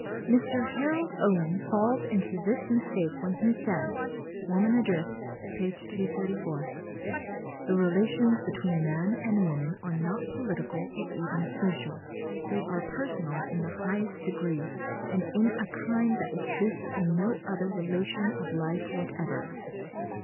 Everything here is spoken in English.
Mr. Harold Owen falls into this mistake when he says (Woman Adrift, p. 234): "The relations between man and woman are not political or even social, they are personal in the highest degree, and in a kind that exists in no other relation of life whatever."